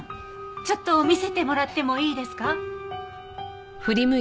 ちょっと見せてもらってもいいですか？